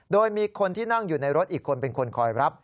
โดยมีคนที่นั่งอยู่ในรถอีกคนเป็นคนคอยรับ